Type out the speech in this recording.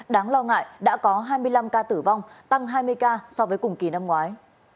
đáng lo ngại đã có hai mươi năm ca tử vong tăng hai mươi ca so với cùng kỳ năm ngoái